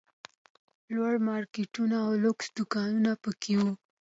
لوړ مارکېټونه او لوکس دوکانونه پکښې وو.